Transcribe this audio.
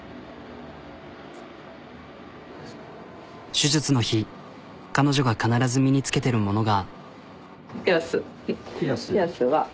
手術の日彼女が必ず身につけてるものが。